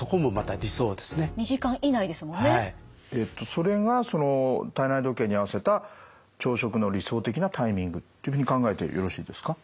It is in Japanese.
それがその体内時計に合わせた朝食の理想的なタイミングというふうに考えてよろしいですか？